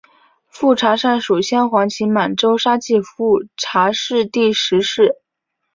富察善属镶黄旗满洲沙济富察氏第十世。